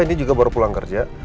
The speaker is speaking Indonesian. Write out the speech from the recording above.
ini juga baru pulang kerja